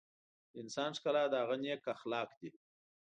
د انسان ښکلا د هغه نیک اخلاق دي.